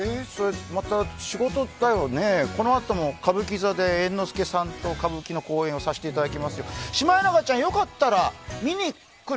仕事だよね、このあとも歌舞伎座で猿之助さんと歌舞伎の公演をさせていただきますけどシマエナガちゃん、よかったら見に来る？